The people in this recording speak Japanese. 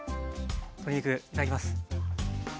鶏肉いただきます。